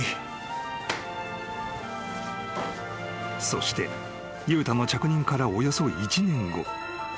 ［そして悠太の着任からおよそ１年後］